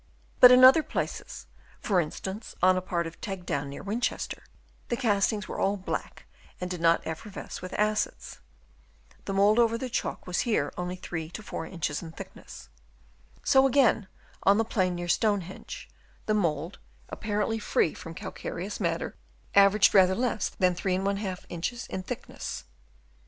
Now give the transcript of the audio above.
But in other places, for instance on a part of Teg Down near Winchester, the castings were all black and did not effervesce with acids. The mould over the chalk was here only from 3 to 4 inches in thickness. So again on the plain near Stonehenge, the mould, apparently free from calcareous matter, averaged rather less than 3^ inches in thickness.